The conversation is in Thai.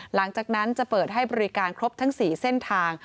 หลังจากนั้นจะเปิดให้บริการครบทั้ง๔เส้นทาง